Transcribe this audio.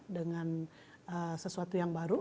dengan sesuatu yang baru